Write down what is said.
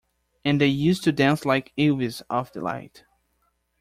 And they used to dance like elves of delight.